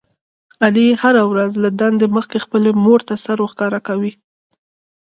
علي هره ورځ له دندې مخکې خپلې مورته سر ورښکاره کوي.